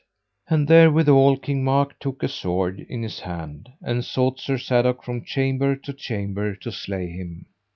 And therewithal King Mark took a sword in his hand; and sought Sir Sadok from chamber to chamber to slay him.